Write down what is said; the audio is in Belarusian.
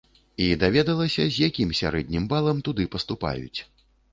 І даведалася, з якім сярэднім балам туды паступаюць.